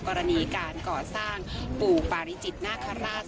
กรณีการก่อสร้างปู่ปาริจิตนาคาราช